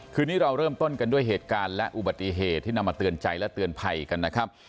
คืนนี้เราเริ่มต้นกันด้วยเหตุการณ์และอุบัติเหตุที่นำมาเตือนใจและเตือนภัยกันนะครับ